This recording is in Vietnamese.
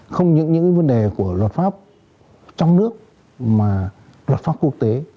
không những những vấn đề của luật pháp trong nước mà luật pháp quốc tế